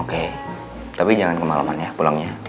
oke tapi jangan kemalaman ya pulangnya